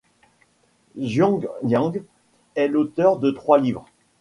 Xiong Yan est l'auteur de trois livres.